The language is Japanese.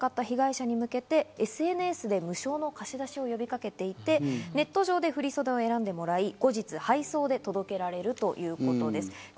こちらですが、キレイな振り袖での記念撮影がかなわなかった被害者に向けてＳＮＳで無償の貸し出しを呼びかけていて、ネット上で振り袖を選んでもらい後日、配送で届けられるということです。